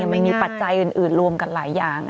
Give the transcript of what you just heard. มันมีปัจจัยอื่นรวมกันหลายอย่าง